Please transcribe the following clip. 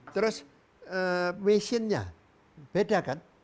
terus mesinnya beda kan